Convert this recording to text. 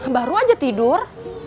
baru aja tidur